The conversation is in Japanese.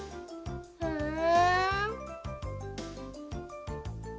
ふん。